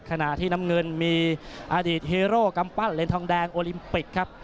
ขณะที่น้ำเงินมีอดีตเฮโร่กำปั้นเหรียญทองแดงโอลิมปิกครับ